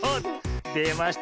でました。